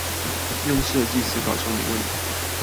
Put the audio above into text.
用設計思考重擬問題